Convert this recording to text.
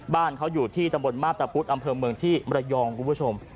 บ้านเขาอยู่ที่ตำบลมาพตะพุธอำเภอเมืองที่มรยองคุณผู้ชม